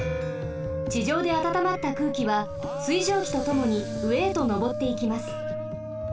ちじょうであたたまったくうきは水蒸気とともにうえへとのぼっていきます。